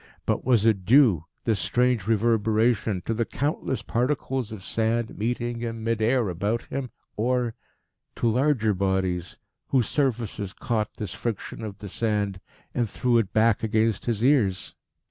But was it due, this strange reverberation, to the countless particles of sand meeting in mid air about him, or to larger bodies, whose surfaces caught this friction of the sand and threw it back against his ears?